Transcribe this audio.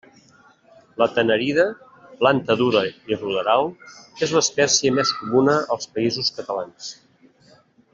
La tanarida, planta dura i ruderal, és l'espècie més comuna als Països Catalans.